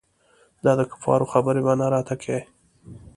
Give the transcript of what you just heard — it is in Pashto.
دا دکفارو خبرې به نه راته کيې.